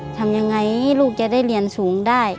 ทำยังไงลูกจะได้เรียนสูงได้